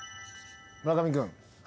村上君。